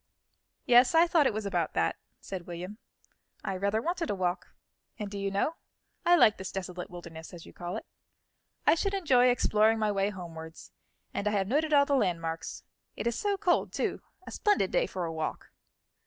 "Yes, I thought it was about that," said William "I rather wanted a walk, and do you know, I like this desolate wilderness, as you call it. I should enjoy exploring my way homewards, and I have noted all the landmarks. It is so cold, too; a splendid day for a walk."